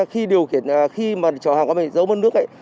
khi điều khiển khi mà chợ hàng của mình giấu mân nước ấy